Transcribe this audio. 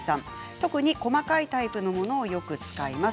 特に細かいタイプのものをよく使います。